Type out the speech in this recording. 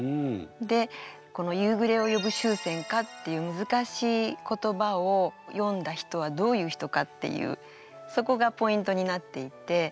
でこの「夕暮れを呼ぶ秋蝉か」っていう難しい言葉を詠んだ人はどういう人かっていうそこがポイントになっていて。